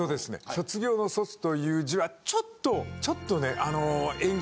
卒業の「卒」という字はちょっとちょっとね縁起